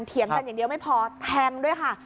เถียงกันอย่างเดียวไม่พอแทงด้วยค่ะ